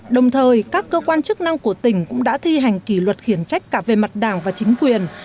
đồng thời các cơ quan chức năng của tỉnh cũng đã thi hành kỷ luật khiển trách cả về mặt đảng và chính quyền